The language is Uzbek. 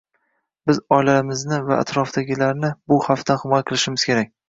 Biz oilamizni va atrofdagilarni bu xavfdan himoya qilishimiz kerak